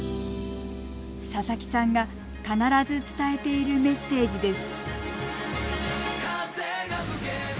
佐々木さんが必ず伝えているメッセージです。